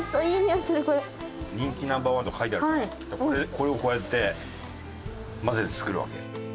これをこうやって混ぜて作るわけ。